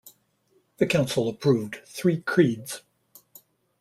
The council approved three creeds.